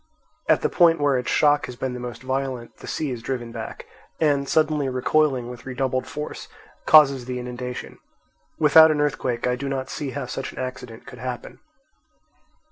At the point where its shock has been the most violent, the sea is driven back and, suddenly recoiling with redoubled force, causes the inundation. Without an earthquake I do not see how such an accident could happen.